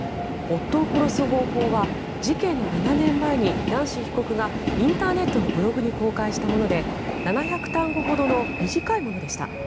「夫を殺す方法」は事件の７年前にナンシー被告がインターネットのブログに公開したもので７００単語ほどの短いものでした。